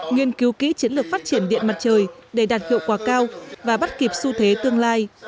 nghiên cứu kỹ chiến lược phát triển điện mặt trời để đạt hiệu quả cao và bắt kịp xu thế tương lai